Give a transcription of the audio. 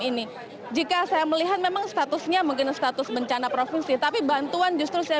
ini jika saya melihat memang statusnya mungkin status bencana provinsi tapi bantuan justru saya